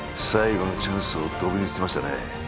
最後のチャンスをドブに捨てましたね